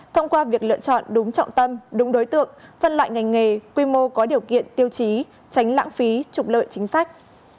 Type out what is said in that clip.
thông qua việc lựa chọn đúng trọng tâm đúng đối tượng phân loại ngành nghề quy mô có điều kiện tiêu chí tránh lãng phí trục lợi chính sách